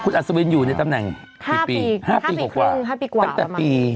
คุณอัศวินอยู่ในตำแหน่งห้าปีห้าปีครึ่งห้าปีกว่าตั้งแต่ปี